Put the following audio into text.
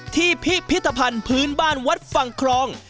พิพิธภัณฑ์พื้นบ้านวัดฝั่งครอง